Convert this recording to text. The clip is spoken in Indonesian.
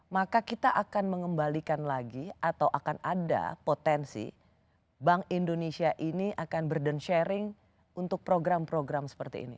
maka kita akan mengembalikan lagi atau akan ada potensi bank indonesia ini akan burden sharing untuk program program seperti ini